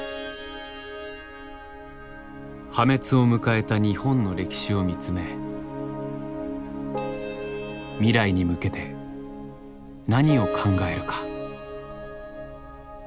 破滅を迎えた日本の歴史を見つめ未来に向けて何を考えるか。